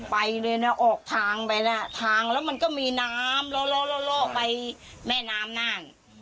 ไปเลยนะออกทางไปนะทางแล้วมันก็มีน้ำล่อไปแม่น้ำน่าน